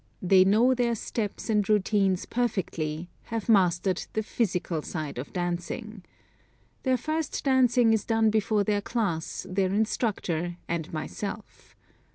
They know their steps and routines perfectly, have mastered the physical side of dancing. Their first dancing is done before their class, their instructor and myself.